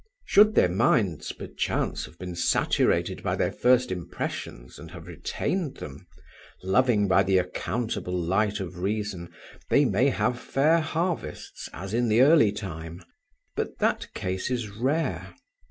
Should their minds perchance have been saturated by their first impressions and have retained them, loving by the accountable light of reason, they may have fair harvests, as in the early time; but that case is rare.